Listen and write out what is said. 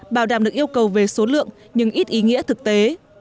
bảo đảm được yêu cầu về số lượng nhưng ít ý nghĩa thực tế